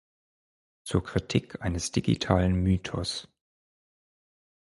Zur Kritik eines digitalen Mythos.